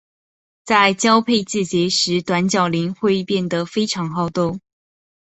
在交配季节时短角羚会变得非常好斗。